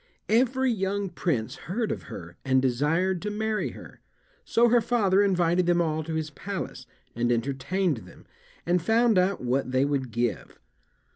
Every young prince heard of her and desired to marry her; so her father invited them all to his palace, and entertained them, and found out what they would give.